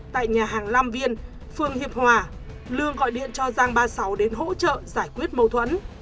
tại nhà hàng lam viên phường hiệp hòa lương gọi điện cho giang ba mươi sáu đến hỗ trợ giải quyết mâu thuẫn